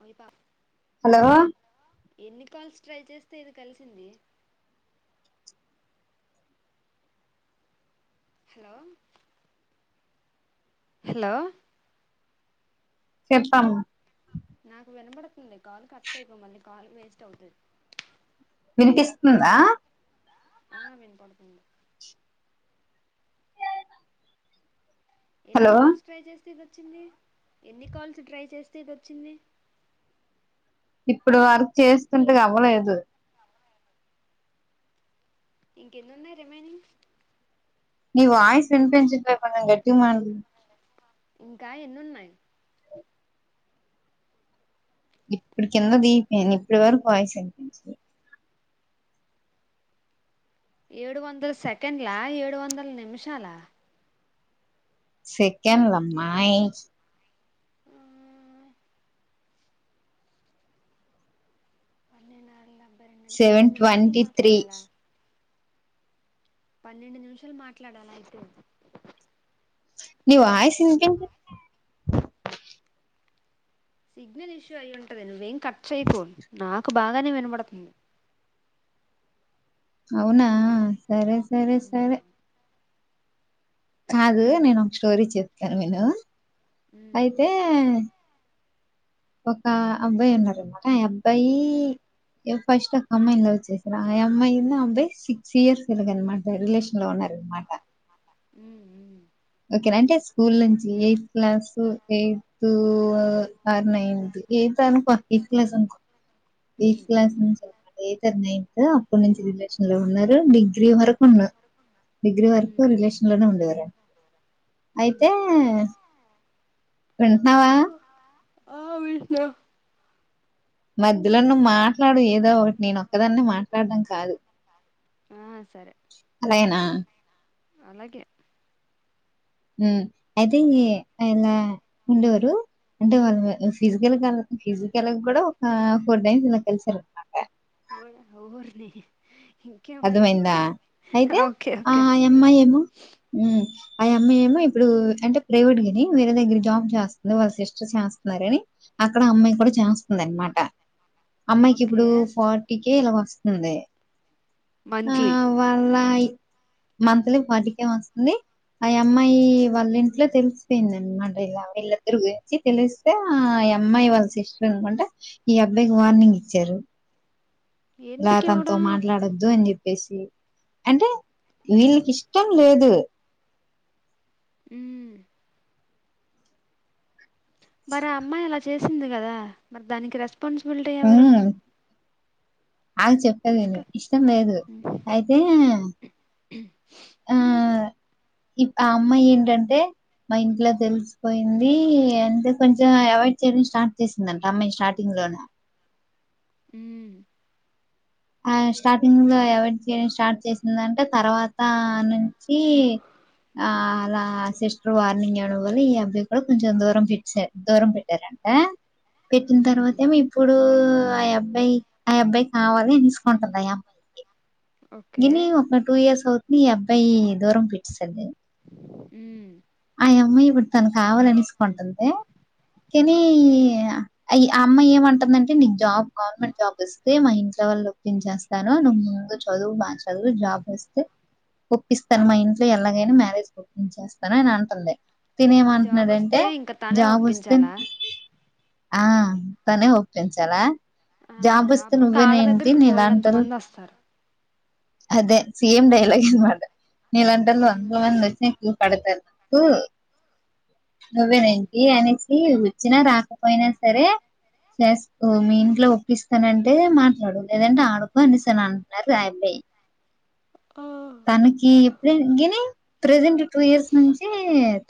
Why ప hello ఎన్ని calls try చేస్తే ఇది కలిసింది. హలో హలో చెప్పాను తుంది కాలు కట్ చేయకు మళ్ళీ కాలు వేస్ట్ ఆవుతది. వినిపిస్తుందా. ఆ విన్పడుతుంది. ఎన్ని హలో కాల్స్ ట్రై చేస్తే గ చింది ఎన్ని కాల్స్ ట్రై చేస్తేతె ఇదోచింది. ఇప్పుడు వర్క్ చేస్తుంటే అవ్వలేదు. ఇంకెంన్ని ఉన్నాయి రెమైనింగ్ ని వాయిస్ వినిపించట్లే కొంచెం గట్టిమా ఇంకా ఎన్నున్నాయి? ఇప్పడుకింద దీ ప ఇప్పుడి వరకు వాయిస్ వినిపించలే. ఏడు వందల సెకండ్లా, ఏడు వందల నిమిషాల సెకండ్లమ్మాయి పన్నె నాళ్ల సెవెన్ ట్వంటి త్రీ పన్నెండు నిమిషాలు మాట్లాడాలయితే ని వాయిస్ [inaudible] సిగ్నల్ ఇష్యూ అయింటది నువ్వేం కట్ చెయకు నా కు బాగానే వినబడుతుంది. అవునా సరే సరే సరే కాదు నేను ఒక స్టోరీ చేప్ కన్వీను ఉమ్ అయితే ఒక అబ్బాయి ఉన్నారనమాట ఆ అబ్బాయి ఫస్ట్ ఒక అమ్మాయిని లవ్ చేసారు ఆ అమ్మాయింద ఆ అబ్బాయి సిక్స్ ఇయర్స్ ఇలాగనమాట రిలేషన్ లో ఉన్నరనమాట. ఉఊ ఓకేనా అంటే స్కూల్ నుంచి ఎయిత్ క్లాస్, ఎయిత్, ఆ నైన్త్ ఎయిత్ అనుకో, ఎయిత్ క్లాస్ అనుకో. ఎయిత్ ఉమ్ క్లాస్ ఉమ్ నుంచి అనమాట ఏయిత్ ఆర్ నైన్త్ అప్పడు నుంచి రిలేషన్ లో ఉన్నారు. డిగ్రీ వరకు ఉన్నం. డిగ్రీ వరకు ఉమ్ రిలేషన్ లోనే ఉండేవారుడి ఉమ్ అయితే వింటన్నావా ఆ వింట్నా మధ్యలో నువ్వు మాట్లాడు ఏదో ఒకటి నేన ఒక్కదాన్నే మాట్లాడడం కాదు. ఆ సరే అలానా అలాగే అయితే ఇలా ఉండేవారు అంటే వాళ్ళు ఫిజికల్ ఫిజికల్ కూడా ఒక ఫోర్ టైమ్స్ ఇలా కలిసారు అనమాట న అర్థమైందా అయితే ఓకే ఆ ఓకే అమ్మాయి ఏమో ఆ అమ్మాయి ఏమో ఇప్పుడు అంటే ప్రైవేట్ ని వేరే దగ్గర జాబ్ చేస్తుంది వాళ్ళ సిస్టర్ చేస్తున్నారుని అక్కడ అమ్మాయి కూడా చేస్తుంది అనమాట అమ్మాయికి ఓకే ఇప్పుడు ఫార్టీ ఇకే ఇలా వస్తుంది మంచి ఆహ్, వాళ్ళ మంత్లీ ఫార్టీకే వస్తుంది ఆ అమ్మాయి వాళ్ళ ఇంట్లో తెలిసిపోయింది అనమాట ఇలా వీళ్ళద్దరు గురించి తెలిస్తే ఆ అమ్మాయి వాళ్ళ సిస్టర్ అనుకుంటే ఈ అబ్బాయికి వార్నింగ్ ఇచ్చారు ఇలా ఎందుకు తనతో ఇవ్వడా మాట్లాడొద్దు అని చెప్పేసి అంటే వీళ్ళకి ఇష్టం లేదు హ్మ్ మరి ఆ అమ్మాయి అలా చేసింది కదా మరి దానికి రెస్ రేస్పన్సిబిలిటీ ఎవరు అగ చెప్పదిని డిస్కస్ ఇష్టం లేదు ఉమ్ అయితే ఆ ఆ అమ్మాయి ఏంటంటే మా ఇంట్లో తెలిసిపోయింది అంతే కొంచెం అవాయిడ్ చేయడం స్టార్ట్ చేసిందంట అమ్మాయి స్టార్టింగ్ లోనే అ ఆ స్టార్టింగ్ లో ఎవ చేయడం స్టార్ట్ చేసిందంటే తర్వాత నుంచి ఆ అలా సిస్టర్ వార్నింగ్ అవ్వడం వల్ల ఈ అబ్బాయి కూడా కొంచెం దూరం పెట్ దూరం పెట్టారంట పెట్టిన ఉమ్, తర్వాత ఏమో ఇప్పుడు ఆ అబ్బాయి ఆ అబ్బాయి కావాలి సుకుంటున్నాయి అమ్మాయికి ఓకే ఇని టూ ఇయర్స్ అవు నీ అబ్బాయి దూరం పిట్సది ఉ మా అమ్మాయి ఇప్పుడు తను కావాలనిసుకుంటుంది కానీ ఆ అమ్మాయి ఏమంటందంటే నీకు జాబ్ గవర్నమెంట్ జాబ్ వస్తే మా ఇంట్లో వాళ్ళు ఒప్పించేస్తాను నువ్వు ముందు చదువు మాా చదువు జాబ్ వస్తే ఒప్పిస్తాను మా ఇంట్లో ఎలాగైనా మ్యారేజ్ ఒప్పించేస్తాను అ టంద తిన జాబ్ ఏమంటున్నాడంటే వస్తే ఇంకా తనే జాబ్ వస్తే ఒప్పించాలా ఆ తనే హతంది సాలా ఆహా జాబస్తే అప్పుడు కాళ్ళ నువ్వేనేంటి దగ్గరికి నీ బోల్డంత ఇలాంటారు మంది వస్తారు అదే సేమ్ డైలాగ్ ఇస్ మ నీలంటల్ ఉమ్ వంద వ క్ కడత హ ను్వ ఉమ్ న అనిసి వచ్చినా రాకపోయినా సరే చేస్త మీ ఇంట్లో ఒప్పస్తానంటే మాట్లాడు లేదంటే ఆడుకో అనేసాను అంటున్నారు రాయిబాయి ఆ తనకి ఎప్పుడ యిని ప్రెజెంట్ టూ ఇయర్స్ నుంచి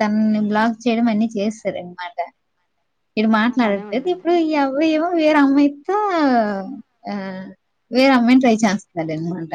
తనని బ్లాక్ చేయడం అన్ని చేస్తారు అనమాట ఇడు అలానే మాట్లాడట్లేదు ఉండాలి ఇప్పుడు ఈ అవ్వయేవో వేరే అమ్మాయితో ఆ వేరే అమ్మాయిని ట్రై చేస్తాడు అనమాట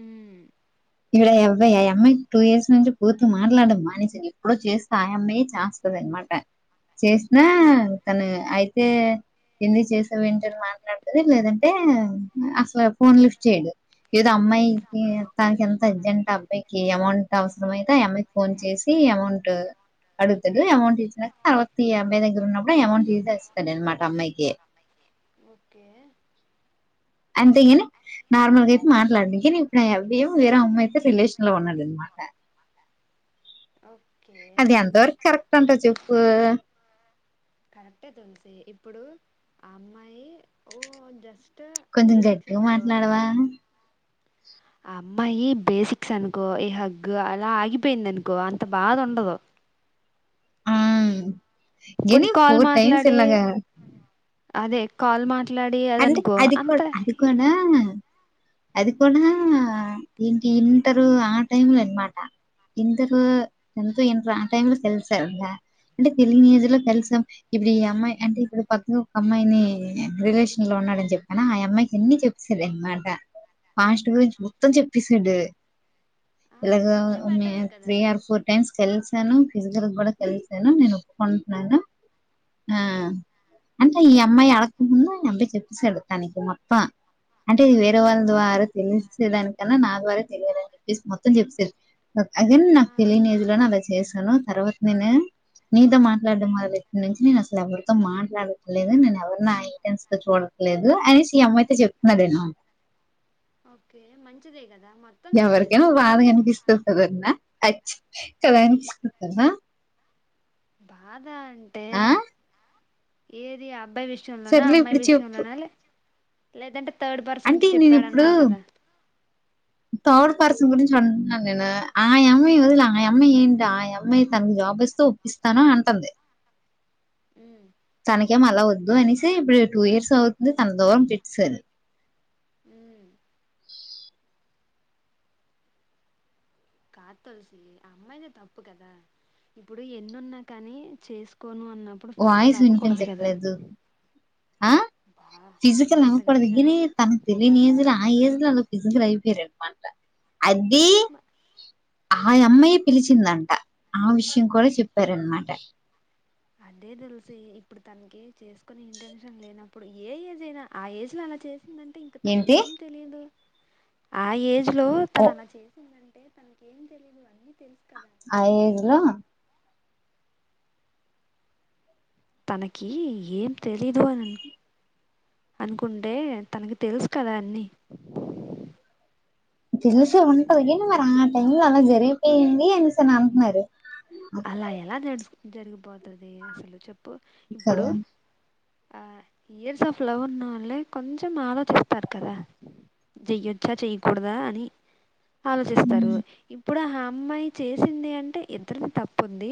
ఉ ఇవిడ ఆ అబ్బాయి ఆ అమ్మాయి టూ ఇయర్స్ నుంచి పూర్తి మాట్లాడం మానిసిని ఎప్పుడో చేస్త ఆ అమ్మాయియే చేస్తది అనమాట చేసినా ఉమ్ తను అయి అయితే ఎందు చేసావి ఏంటని మాట్లాడుతది లేదంటే అసలు ఫోన్ లిఫ్ట్ చేయ్యడు ఏదో అమ్మాయికి తనికి ఎం సజ్జంట అబ్బాయికి అమౌంట్ అవసరం అయితే ఆ అమ్మాయికి ఫోన్ చేసి అమౌంట్ అడుగుతాడు అమౌంట్ ఇ తరావత్తి ఈ అబ్బాయి దగ్గర ఉన్నప్పుడు అమౌంట్ తీసేస్తాడు అనమాట అమ్మాయికి ఓకే అంతే గిని నార్మల్గా మాట్లాడడు కానీ ఇప్పుడు అవ్వేం వేరే అమ్మయితే రిలేషన్ లో ఉన్నాడు అనమాట ఓ అది ఎంతవరకు కరెక్ట్ అంటావ్ చెప్పు కరెక్టే తులసి ఇప్పుడు ఆ అమ్మాయి ఓ జస్ కొంచెం గట్టిగా మాట్లాడవా అమ్మాయి బేసిక్స్ అనుకో ఈ హగ్గు అలా ఆగిపోయింది అనుకో అంత బాధ ఉండదు అమ్ పోనీ ఎని కాల్ ఫోర్ టైమ్స్ మాట్లాడి ఎల్లగా అదే కాల్ మా అంటే అదికో అది కోడా అది కూడా ఏంటి ఇంటరు ఆ టైమ్ లో అనమాట ఇంటరు ఎంతో ఇంట ఆ టైం లో తెలిసెంద అంటే తెలి ఈ ఏజ్ లో కలిసాం ఇప్పుడు ఈ అమ్మాయి అంటే ఇప్పుడు పక్క ఒక అమ్మాయిని రిలేషన్ లో ఉన్నాడని చెప్పాన ఆ అమ్మాయికి ఎన్ని చెప్పసార్ అనమాట ఫాస్ట్ గా వచ్చి మొత్తం చెప్పసాడు ఆ ఇలాగ చెప్తే బెటరే కదా త్రీ ఆర్ ఫోర్ టైమ్స్ కలిసాను ఫిజికల్ కూడా కలిసాను నేను ఒప్పుకుంటున్నాను ఆ అంటే ఈ అమ్మాయి అడకుండా చెప్పసాడు తనకి మొత్తం అంటేది వేరే వాళ్ళ ద్వారా తెలిసేదానికన్నా నా ద్వారా తెలియదుని చెప్పేసి మొత్తం చెప్పసాడు అదైన్ ఆ నాకు తెలియలేదు లే అలా చేశాను తర్వాత నేను నీతో మాట్లాడడం మొదలెట్టిన్ నుంచి నేన్ అసల్ ఎవరితో మాట్లాడట్లేదు నేను ఎవరిని ఆహ్ ఇంటెన్షన్ తో చూడట్లేదు అనేసి ఈ అమ్మయి తో చెప్తున్నాదేను ఓకే మంచిదే కదా మొత్తం ఎవరికై నువ్వు చెప్పేశాడు బాధగా తను కనిపిస్తుంట దన్న అ చ్చ కద [unintelligible] బా ఆ ఏది అ అబ్బాయి విషయంలోనా సర్లే అమ్మాయి ఇప్పుడు చెప్పు విషయంలోనా లే లేదంటే థర్డ్ పర్సన్ అంటే కి నేను ఇప్పుడు చెప్పాడున్నావు కదా థర్డ్ పర్సన్ గురించి అంటున్నాను నేను ఆ అమ్మాయి వదిలి ఆ అమ్మాయి ఏంటి ఆ అమ్మాయి తనకు జాబ్ ఇస్తే ఒప్పిస్తాను అంటుంది ఉమ్ చాణక్య మాల వ తు అనసి ఇప్పుడు టూ ఇయర్స్ అవుతుంది తన దూరం పెట్టెసారు ఉమ్ కా తొలసి అమ్మాయితే తప్పు కదా ఇప్పుడు ఎన్నున్నా కాని చేసుకోను అన్నప్పుడు ఫిజికల్ వాయిస్ అవ్వకూడదు కదా వినిపిన్చెప్పలేదు ఆ బా ఫిజికల్ ఇంకెంత అవ్వకూడదు గట్టిగా కాని అరవను తనకు తెలియని ఏజ్లో ఆ [unintelligible] ఫైసికెలరుమాంట అది మ- ఆ ఆ అమ్మాయే పిలిచిందంట ఆ విషయం కూడా చెప్పారనమాట అదే తెలిసి ఇప్పుడు తనకి చేసుకుొని ఇంటెన్షన్ లేనప్పుడు ఏ ఏజ్ అయినా ఆ ఏజ్ లో అలా చేసి వందంటే ఇంకా ఏంటి తనకేం తెలియదు ఆయ లో తన ఓ అలా చేసిందండి అంటే తనక ఏం తెలిదు అన్నీ తెలుసు కదా ఆ ఏజలో తనకి ఏం తెలీదు అని అనుకుంటే తనకి తెలుసు కదా అన్నీ తెలిస ఉంటది క మరి ఆ టైం అలా జరిగిపోయింది అనిసని అంటున్నారు అలా ఎలా నడుచు జరిగిపోతది అసలు చెప్ ఇప్పు ఇప్పుడు కదా ఆ ఇయర్స్ ఆఫ్ లవ్ ఉన్నా వాళ్ళే కొంచెం ఆలోచిస్తారు కదా చెయొచ్చా చెయ్యకూడదా అని ఆలోచిస్తారు ఇప్పుడు హా అమ్మాయి చేసింది అంటే ఇ ఇద్దరుం తప్పుఉంది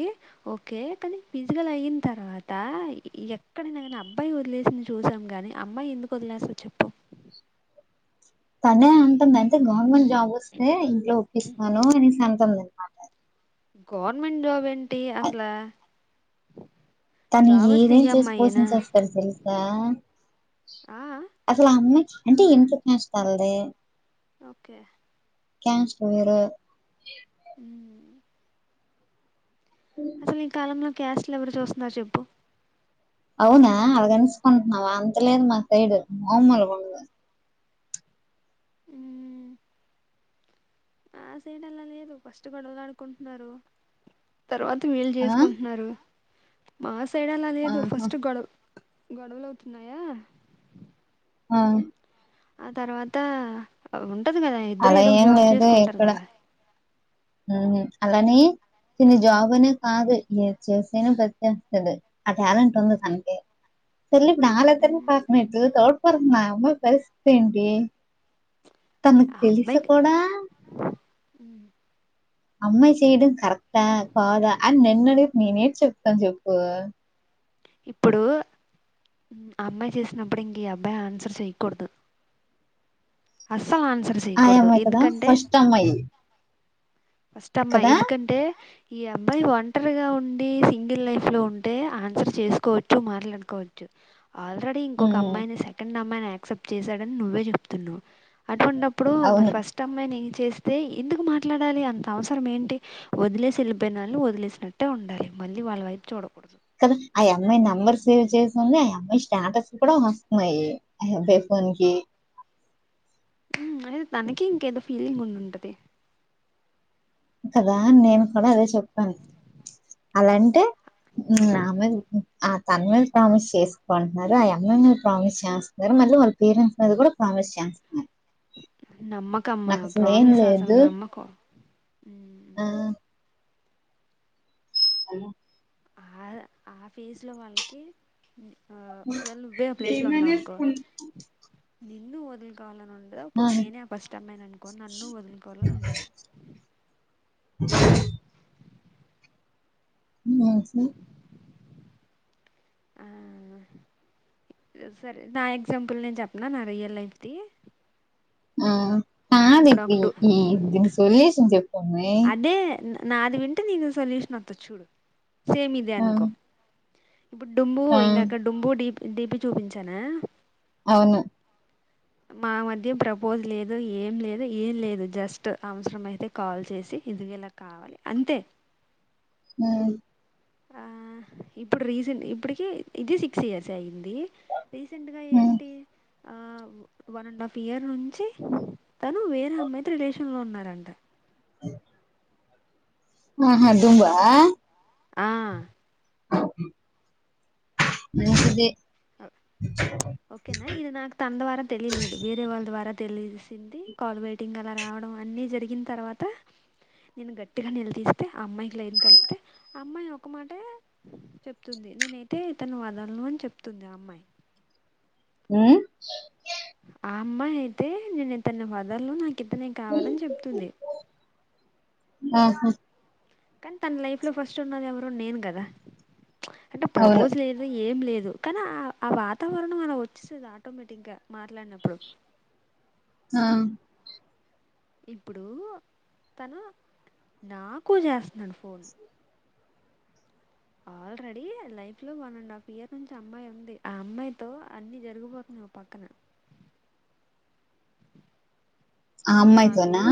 ఓకే కానీ ఫిజిగాల్ అయిన తర్వాత ఎక్కడైనా కానీ అబ్బాయి వదిలేసింది చూసాం కాని అమ్మాయి ఎందుకు వదిలేస్తాధి చెప్పు తనే అంటుంది అంటే గవర్నమెంట్ జాబ్ వస్తే ఇంట్లో ఒప్పిస్తున్నాను అనేసి అంటంద అంట గవర్నమెంట్ జాబ్ ఎం టీ అసల తను ఏదేం చేసి పోసం అమ్మాయేనా చేస్తారు తెలుసా ఆ అసలు అమ్మాయి అంటే ఇంటికి నష్టాల దే ఓకే క్యాన్స్ పోరు హ అసలు ఈ కాలంలో కషలు ఎవరు చుస్తున్నారు చెప్పు అవునా అలగంచుకుంటున్నావా అంతలేదు మా సైడు మామలగుండదు మ్ ఆ సైడ్ అలా లేదు ఫస్ట్ గొడవలుడుకుంటున్నారు తర్వాత వీళ్ళు ఆ చేసుకుంటున్నారు మాస్ సైడల్ అలా లేదు ఆహా ఫస్ట్ గొడవ్ గొడవలవుతున్నాయా ఆ ఆ తర్వాత అవున్ టది కదా ఇద్దరు అలా ఏదో ఒక ఏం జాబ్ లేదు చేసుకుంటారు ఇక్కడ కదా ఉహు అలా అని తిని జాబ్ అనేది కాదు ఏం చేసైనా బతికేస్తది ఆ టాలెంట్ ఉంది తనకి పెళ్లిక్ నా దగ్గర్నే [unintelligible] తోడ్ [unintelligible] నా అమ్మ పరిస్థి ఏంటి తనకు ఆ తెలుసు అమ్మాయికి కూడా అమ్మాయి చేయడం కరెక్టా కాదా అని నన్నడగుత్ నేనేం చెప్తాను చెప్పు ఇప్పుడూ ఉ అమ్మాయి చేసినప్పుడు ఇంకే అబ్బాయి ఆన్సర్ చెయ్యకూడదు అస్ సలు ఆన్సర్ ఆ చేయకూడదు అమ్మాయి కదా ఎందుకంటే ఫస్ట్ అమ్మాయి ఫస్ట్ అమ్మాయి కదా ఎందుకంటే ఈ అబ్బాయి ఒంటరిగా ఉండి సింగిల్ లైఫ్ లో ఉంటే ఆన్సర్ చేసుకోవచ్చు మాట్లాడుకోవచ్చు ఆల్రెడీ ఇంకొక ఉమ్ అమ్మాయిని సెకండ్ అమ్మాయి అక్సెప్ట్ చేశాడని నువ్వే చెప్తున్నావు అటువంటప్ ఇప్పుడు మరి అవును ఫస్ట్ అమ్మాయిని చేస్తే ఎందుకు మాట్లాడాలి అన్ త అవసరం ఏంటి వదిలేసి వెళ్ళిపోయిన వాళ్ళు వదిలేసినట్టే ఉండాలి మళ్ళీ వాళ్ళ వైపు చూడకూడదు కదా ఆ అమ్మాయి నెంబర్ సేవ్ చేసింది ఆ అమ్మాయి స్టాటస్ కూడా వస్తున్నాయి ఆ అబ్బాయి ఫోన్ కి ఉమ్ అది తనకి ఇంకేదో ఫీలింగ్ ఉండుంటది కదా నేను కూడా అదే చెప్పాను అలాంటే నా మీద ఆ తన మీద ప్రామిస్ చేసుకుంటున్నారు ఆ అమ్మాయి మీద ప్రామిస్ చేస్తున్నారు మళ్ళీ వాళ్ళ పేరెంట్స్ మీద కూడా ప్రామిస్ చేస్తున్నారు నమ్మకమ్మా నాకు అసలు ఏం ప్రమిస్ అసలు లేదు నమ్మకు ఆ హలో ఆద ఆ ఫేస్ లో వాళ్ళకి ఆ ఒకవేళ నువ్వే ఆ ప్లేస్ లో ఉన్నావనుకో నిన్ను వదులుకోవాలని ఉన్ దర పోనీ నేనే ఆ ఫస్ట్ అమ్మాయిని అనుకో నన్ను వదులుకోవాలని ఉండదు ఉ వాసే ఆ సరే నా ఎగ్జాంపుల్ నేను చెప్పనా నా రియల్ లైఫ్ ది ఆ ఆది [unintelligible] దీని సొల్యూషన్ చెప్ అదే నాది వింటే నీకు సొల్యూషన్ వస్తది చూడు సేమ్ ఇదే ఆ అనుకో ఇప్పుడు డుంబు పోయింది ఆ అక్కడ డుంబు డీ డేపి చూపించానా అవును మా మధ్య ప్రపోజ్ లేదు ఏం లేదు ఏం లేదు జస్ట్ అవసరం అయితే కాల్ చేసి ఇదిగో కావాలి అంతే మ్మ్ ఆ ఇప్పుడు రీసెంట్ ఇప్పుటికి ఇది సిక్స్ ఇయర్స్ అయింది. ఉంది రీసెంట్ గా ఉమ్ ఏంటి ఆ వన్ అండ్ హాఫ్ ఇయర్ ను మ్మ్చి తను వేరే అమ్మాయితో రిలేషన్ లో ఉన్నారు రంట అ మ్మ్ హు దిబ్బ ఆ నీది ఇ ఓకేనా ఇది నాకు తన ద్వారా తెలియలేదు వేరే వాళ్ళ ద్వారా తెలిసింది కాల్ వెయిటింగ్ అలా రావడం అన్ని జరిగిన తర్వాత నేను గట్టిగా నిలదీస్తే ఆ అమ్మాయికి లైన్ కలిపితే అమ్మాయి ఒక మాటే చెప్తుంది నేనైతే ఇతను వదలను అని చెప్తుంది ఆ అమ్మాయి. మ్మ్ ఆ అమ్మాయి అయితే నేను ఇతనిని వదలను ది కావాలని చెప్తుంది ఆహా కానీ తన లైఫ్ లో ఫస్ట్ ఉన్నది ఎవరు నేను కదా అంటే అవును ప్రపోజల్ లేదు ఏం లేదు కానీ ఆ ఆ వాతావరణం ఆలా వచ్చేసేది ఆటోమేటిక్ గా మాట్లాడినప్పుడు. ఆ ఇప్పుడు తను నాకు చేస్తున్నాడు ఫోన్ ఆల్రెడీ లైఫ్ లో వన్ అండ్ హాఫ్ ఇయర్ నుంచి అమ్మాయి ఉంది ఆ అమ్మాయితో అన్ని జరిగిపోతున్నాయ్ ఒక పక్కన ఆ మాకు అమ్మాయితోనా?